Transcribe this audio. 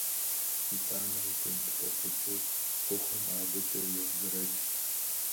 ИтӀанэ, утемыплъэкъукӀыу, Ӏуэхум адэкӀэ еужьэрэкӀ.